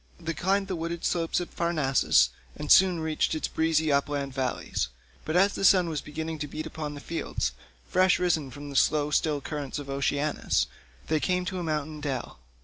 They climbed the wooded slopes of Parnassus and soon reached its breezy upland valleys; but as the sun was beginning to beat upon the fields, fresh risen from the slow still currents of Oceanus, they came to a mountain dell.